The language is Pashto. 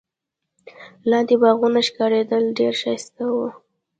لاندي باغونه ښکارېدل، ډېر ښایسته وو.